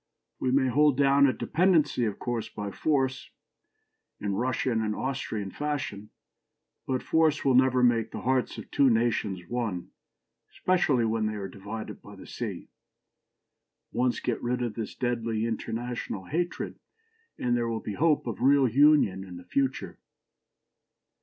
We may hold down a dependency, of course, by force, in Russian and Austrian fashion; but force will never make the hearts of two nations one, especially when they are divided by the sea. Once get rid of this deadly international hatred, and there will be hope of real union in the future."